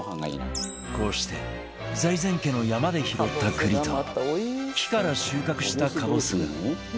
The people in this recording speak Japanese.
こうして財前家の山で拾った栗と木から収穫したかぼすが